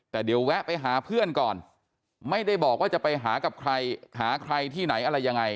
แต่เดี๋ยวแวะไปหาเพื่อนก่อนไม่ได้บอกว่าจะไปหากับใครหาใครที่ไหนอะไรยังไง